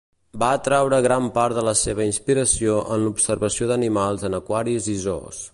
Va atraure gran part de la seva inspiració en l'observació d'animals en aquaris i zoos.